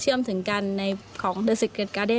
ตามแนวทางศาสตร์พระราชาของในหลวงราชการที่๙